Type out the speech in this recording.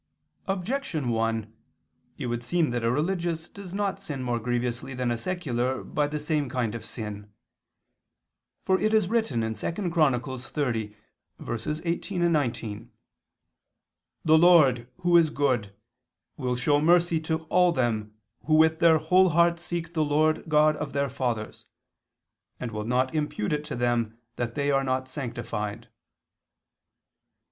Objection 1: It would seem that a religious does not sin more grievously than a secular by the same kind of sin. For it is written (2 Paralip. 30:18, 19): "The Lord Who is good will show mercy to all them who with their whole heart seek the Lord the God of their fathers, and will not impute it to them that they are not sanctified."